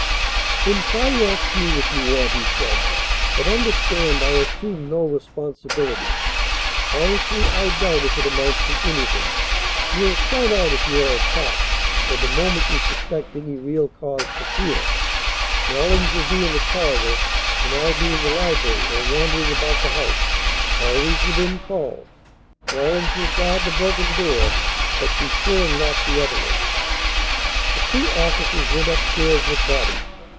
"Then try your scheme if you want," he said, "but understand I assume no responsibility. Honestly, I doubt if it amounts to anything. You'll shout out if you are attacked, or the moment you suspect any real cause for fear. Rawlins will be in the corridor, and I'll be in the library or wandering about the house always within call. Rawlins will guard the broken door, but be sure and lock the other one." The two officers went upstairs with Bobby.